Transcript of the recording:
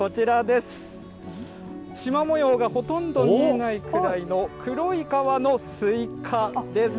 しま模様がほとんど見えないくらいの、黒い皮のスイカです。